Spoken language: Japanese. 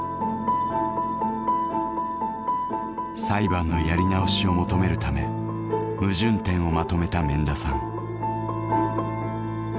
裁判のやり直しを求めるため矛盾点をまとめた免田さん。